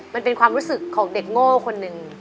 มันเป็นความรู้สึกของเด็กโง่คนหนึ่ง